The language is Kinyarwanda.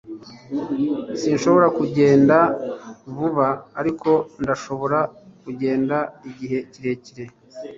Sinshobora kugenda vuba ariko ndashobora kugenda igihe kirekire